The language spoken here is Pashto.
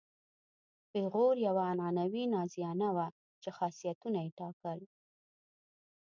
پیغور یوه عنعنوي تازیانه وه چې خاصیتونه یې ټاکل.